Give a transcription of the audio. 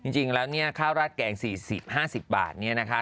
จริงแล้วเนี่ยข้าวราดแกง๔๐๕๐บาทเนี่ยนะคะ